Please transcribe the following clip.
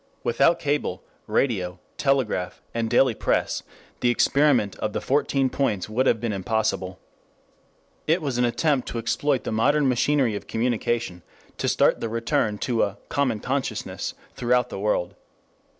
Without cable, radio, telegraph, and daily press, the experiment of the Fourteen Points would have been impossible. It was an attempt to exploit the modern machinery of communication to start the return to a "common consciousness" throughout the world.